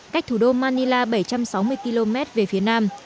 cách thủ đô manila bảy trăm sáu mươi km về phía nam